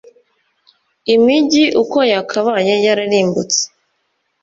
Imigi uko yakabaye yararimbutse